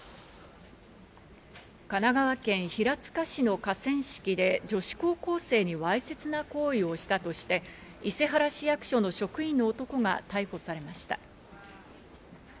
神奈川県平塚市の河川敷で、女子高校生にわいせつな行為をしたとして伊勢原市役所の職員の男が逮捕されました。